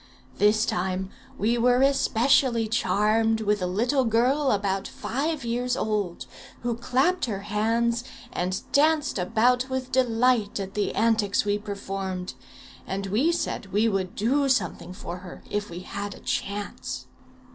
This time we were especially charmed with a little girl about five years old, who clapped her hands and danced about with delight at the antics we performed; and we said we would do something for her if we had a chance.